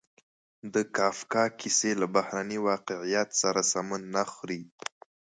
د کافکا کیسې له بهرني واقعیت سره سمون نه خوري.